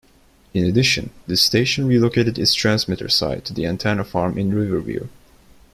In addition, the station relocated its transmitter site to the antenna farm in Riverview.